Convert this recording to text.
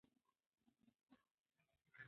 د بدن بوی د عطر یا سپرې سره هم بدلېدای شي.